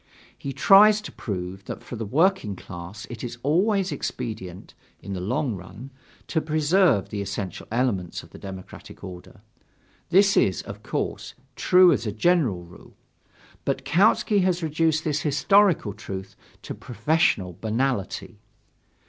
He tries to prove that for the working class it is always expedient, in the long run, to preserve the essential elements of the democratic order. This is, of course, true as a general rule. But Kautsky has reduced this historical truth to professorial banality.